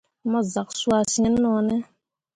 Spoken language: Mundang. Mo zak cuah sin no ne ?